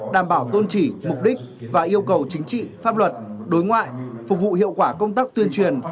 đảm bảo tôn chỉ mục đích và yêu cầu chính trị pháp luật đối ngoại phục vụ hiệu quả công tác tuyên truyền